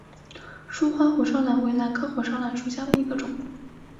疏花火烧兰为兰科火烧兰属下的一个种。